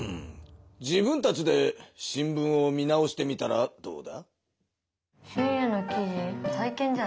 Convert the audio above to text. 自分たちで新聞を見直してみたらどうだ？